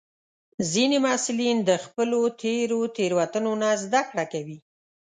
ځینې محصلین د خپلو تېرو تېروتنو نه زده کړه کوي.